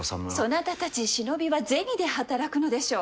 そなたたち忍びは銭で働くのでしょう。